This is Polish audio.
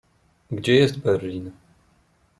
Gdzie jest Berlin?